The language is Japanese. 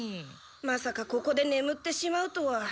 まさかここでねむってしまうとは。